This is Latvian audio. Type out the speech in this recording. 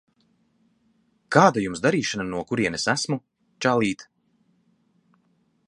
Kāda Jums darīšana no kurienes esmu, čalīt?